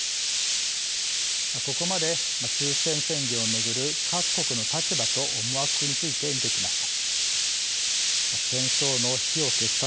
ここまで終戦宣言を巡る各国の立場と思惑について見てきました。